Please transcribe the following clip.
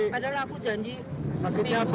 padahal aku janji seminggu